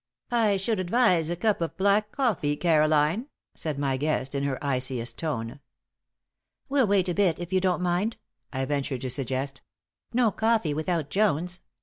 "I should advise a cup of black coffee, Caroline," said my guest, in her iciest tone. "We'll wait a bit, if you don't mind," I ventured to suggest. "No coffee without Jones.